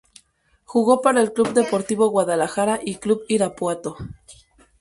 Jugó para el Club Deportivo Guadalajara y Club Irapuato.